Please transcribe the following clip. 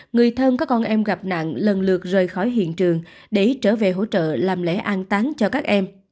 người thân có con em gặp nạn lần lượt rời khỏi hiện trường để trở về hỗ trợ làm lễ an tán cho các em